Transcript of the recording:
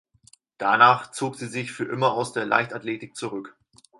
Danach zog sie sich für immer aus der Leichtathletik zurück.